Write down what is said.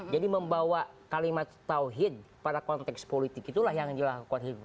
jadi membawa kalimat tawhid pada konteks politik itulah yang dilakukan hdi